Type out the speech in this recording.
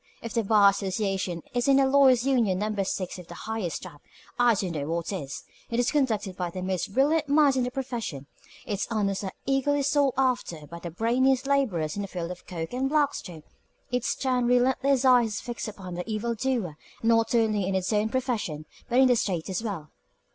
If the Bar Association isn't a Lawyer's Union Number Six of the highest type, I don't know what is. It is conducted by the most brilliant minds in the profession; its honors are eagerly sought after by the brainiest laborers in the field of Coke and Blackstone; its stern, relentless eye is fixed upon the evil doer, and it is an effective instrument for reform not only in its own profession, but in the State as well.